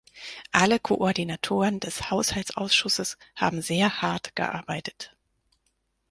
Alle Koordinatoren des Haushaltsausschusses haben sehr hart gearbeitet.